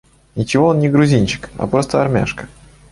Ничего он не грузинчик, а просто армяшка